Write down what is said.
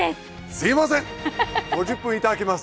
すいません５０分頂きます！